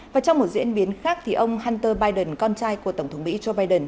và trong một diễn biến khác ông hunter biden con trai của tổng thống mỹ joe biden